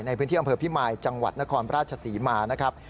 ในพื้นที่อำเภอพิมายจังหวัดนครราชศรีมานะครับ